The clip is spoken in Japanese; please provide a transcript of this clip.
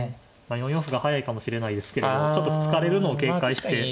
４四歩が速いかもしれないですけれどもちょっと突かれるのを警戒して。